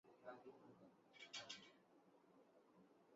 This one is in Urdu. کیونکہ ان کے پاس شخصیت کی خوبی ہے۔